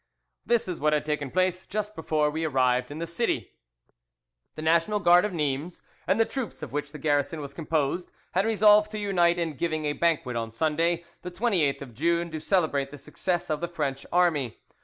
"This is what had taken place just before we arrived in the city: "The National Guard of Nimes and the troops of which the garrison was composed had resolved to unite in giving a banquet on Sunday, the 28th of June, to celebrate the success of the French army.